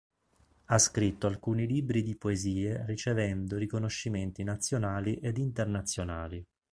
Ha scritto alcuni libri di poesie ricevendo riconoscimenti nazionali ed internazionali.